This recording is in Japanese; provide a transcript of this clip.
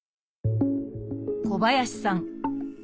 小林さん